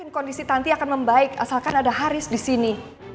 kondisi tanti akan membaik asalkan ada haris disini